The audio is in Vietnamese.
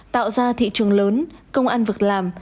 tạo ra thị trường lớn công ăn vực làm